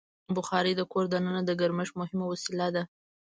بخاري د کور دننه د ګرمښت مهمه وسیله ده.